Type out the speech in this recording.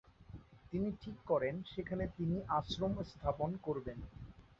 তিনি ঠিক করেন সেখানে তিনি আশ্রম স্থাপন করবেন।